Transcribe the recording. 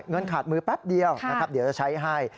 เงินขาดมือแป๊บเดียวนะครับเดี๋ยวจะใช้ให้